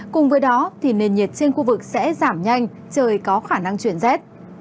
cùng với đó thì nền nhiệt trên khu vực sẽ giảm nhanh trời có khả năng chuyển rét